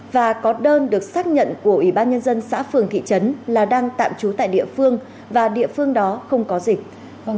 và có đơn được xác nhận của ủy ban nhân dân xã phường thị trấn là đang tạm trú tại địa phương và địa phương đó không có dịch